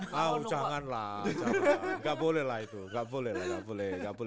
enggak boleh lah itu